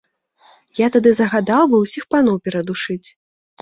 Я тады загадаў бы ўсіх паноў перадушыць.